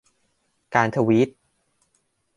การทวีต